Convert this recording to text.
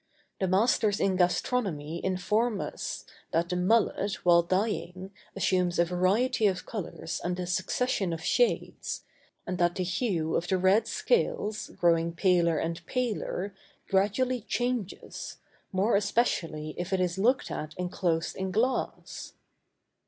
The masters in gastronomy inform us, that the mullet, while dying, assumes a variety of colors and a succession of shades, and that the hue of the red scales, growing paler and paler, gradually changes, more especially if it is looked at enclosed in glass.